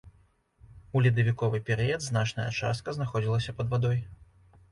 У ледавіковы перыяд значная частка знаходзілася пад вадой.